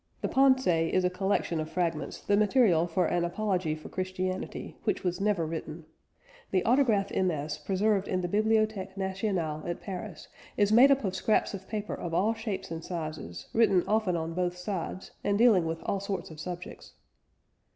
The Pensées is a collection of fragments, the material for an Apology for Christianity which was never written. The autograph MS. preserved in the Bibliothèque Nationale at Paris "is made up of scraps of paper of all shapes and sizes, written often on both sides ... and dealing with all sorts of subjects."